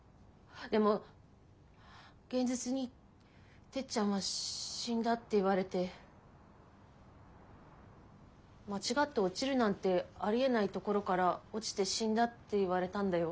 でも現実にてっちゃんは死んだって言われて間違って落ちるなんてありえない所から落ちて死んだって言われたんだよ？